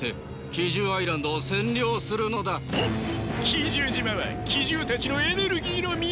奇獣島は奇獣たちのエネルギーの源。